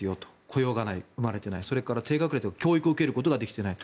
雇用が生まれていないそれから、低学歴は教育を受けることができていない。